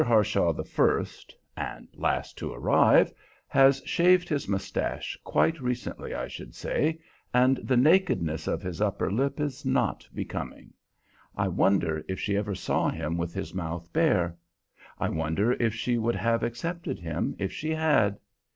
Harshaw the first (and last to arrive) has shaved his mustache quite recently, I should say, and the nakedness of his upper lip is not becoming. I wonder if she ever saw him with his mouth bare? I wonder if she would have accepted him if she had?